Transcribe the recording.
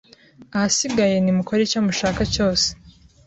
ahasigaye nimukore icyo mushaka cyose